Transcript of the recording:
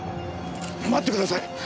待ってください！